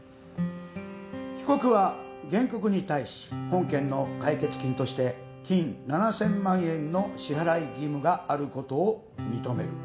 被告は原告に対し本件の解決金として金７，０００万円の支払い義務があることを認める。